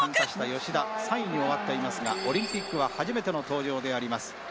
吉田３位に終わっていますがオリンピックは初めての登場であります。